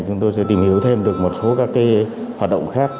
chúng tôi sẽ tìm hiểu thêm được một số các hoạt động khác